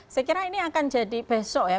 saya kira ini akan jadi besok ya